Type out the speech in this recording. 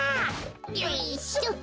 よいしょっと。